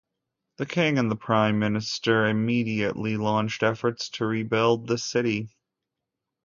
The king and the prime minister immediately launched efforts to rebuild the city.